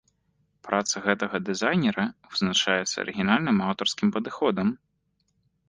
Працы гэтага дызайнера вызначаюцца арыгінальным аўтарскім падыходам.